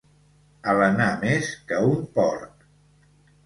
Alenar més que un porc.